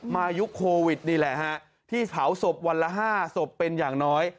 ยุคโควิดนี่แหละฮะที่เผาศพวันละ๕ศพเป็นอย่างน้อย